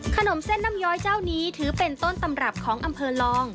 ขนมเส้นน้ำย้อยเจ้านี้ถือเป็นต้นตำรับของอำเภอลอง